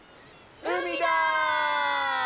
海だ！